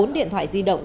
bốn điện thoại di động